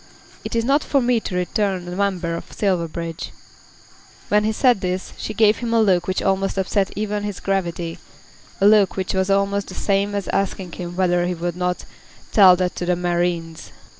"It is not for me to return a member for Silverbridge." When he said this, she gave him a look which almost upset even his gravity, a look which was almost the same as asking him whether he would not "tell that to the marines."